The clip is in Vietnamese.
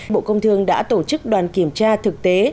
bộ công thương đã tổ chức đoàn kiểm tra thực tế